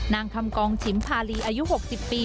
นางคำกองฉิมพาลีอายุ๖๐ปี